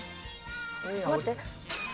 待って。